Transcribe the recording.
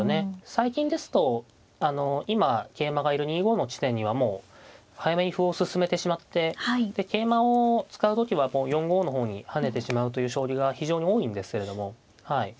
最近ですと今桂馬がいる２五の地点にはもう早めに歩を進めてしまって桂馬を使う時は４五の方に跳ねてしまうという将棋が非常に多いんですけれどもはい。